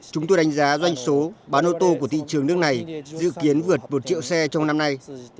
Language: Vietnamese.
chúng tôi đánh giá doanh số bán ô tô của thị trường nước này dự kiến vượt một triệu xe trong năm nay